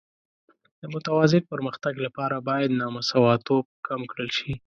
د متوازن پرمختګ لپاره باید نامساواتوب کم کړل شي.